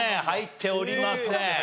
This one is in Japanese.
入っておりません。